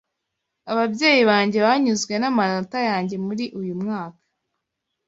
Ababyeyi banjye banyuzwe n'amanota yanjye muri uyu mwaka.